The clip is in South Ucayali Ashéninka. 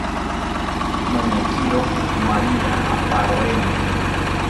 Noñakiro maria apaniroeni